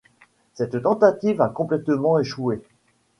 Cette tentative a complètement échoué.